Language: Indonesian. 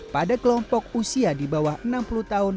pada kelompok usia di bawah enam puluh tahun